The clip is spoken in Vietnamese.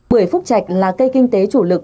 bưởi phúc chạch là cây kinh tế chủ lực